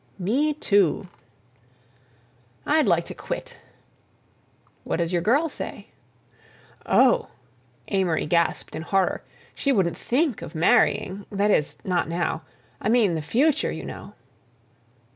"Me, too." "I'd like to quit." "What does your girl say?" "Oh!" Amory gasped in horror. "She wouldn't think of marrying... that is, not now. I mean the future, you know."